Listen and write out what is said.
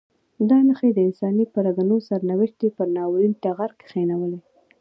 دا نښې د انساني پرګنو سرنوشت یې پر ناورین ټغر کښېنولی.